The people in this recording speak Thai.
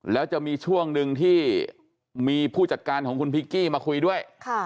แล้วจะมีช่วงหนึ่งที่มีผู้จัดการของคุณพิกกี้มาคุยด้วย